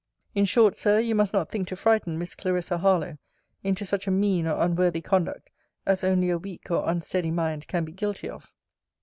In short, Sir, you must not think to frighten Miss Clarissa Harlowe into such a mean or unworthy conduct as only a weak or unsteady mind can be guilty of.